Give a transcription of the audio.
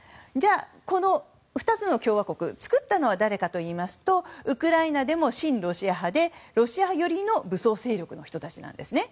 じゃあ、この２つの共和国作ったのは誰かというとウクライナでも親ロシア派でロシア寄りの武装勢力の人たち。